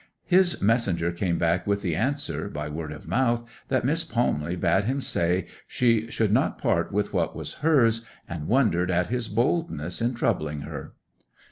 His messenger came back with the answer, by word of mouth, that Miss Palmley bade him say she should not part with what was hers, and wondered at his boldness in troubling her.